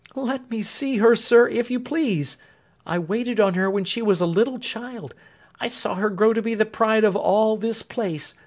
Let me see her, sir, if you please. I waited on her when she was a little child. I saw her grow to be the pride of all this place.